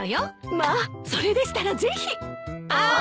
まあそれでしたらぜひ！あっ！